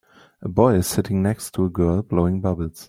A boy is sitting next to a girl blowing bubbles